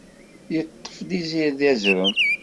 Yeṭṭef-d izirdi azrem.